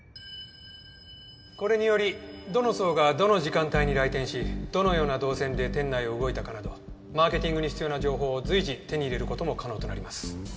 これによりどの層がどの時間帯に来店しどのような動線で店内を動いたかなどマーケティングに必要な情報を随時手に入れる事も可能となります。